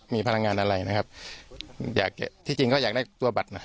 มีพลังงานอะไรนะครับอยากที่จริงก็อยากได้ตัวบัตรน่ะ